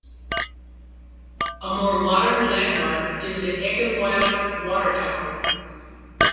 A more modern landmark is the Eckenweiler Water Tower.